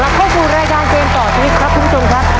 เข้าสู่รายการเกมต่อชีวิตครับคุณผู้ชมครับ